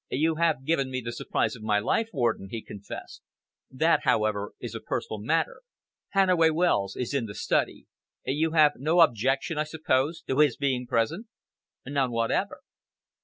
"You have given me the surprise of my life, Orden," he confessed. "That, however, is a personal matter. Hannaway Wells is in the study. You have no objection, I suppose, to his being present?" "None whatever."